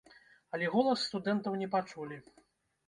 Але голас студэнтаў не пачулі.